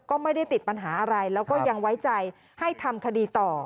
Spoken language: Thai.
ก็ไม่ได้ติดปัญหาอะไรแล้วก็ยังไว้ใจให้ทำคดีต่อ